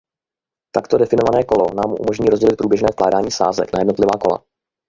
Takto definované kolo nám umožní rozdělit průběžné vkládání sázek na jednotlivá kola.